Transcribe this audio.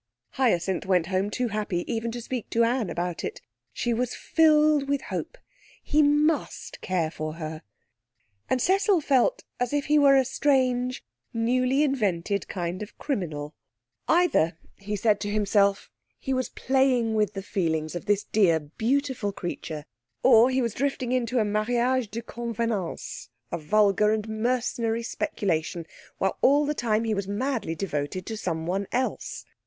Hyacinth went home too happy even to speak to Anne about it. She was filled with hope. He must care for her. And Cecil felt as if he were a strange, newly invented kind of criminal. Either, he said to himself, he was playing with the feelings of this dear, beautiful creature, or he was drifting into a mariage de convenance, a vulgar and mercenary speculation, while all the time he was madly devoted to someone else.